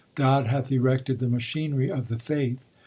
God hath erected the machinery of the faith.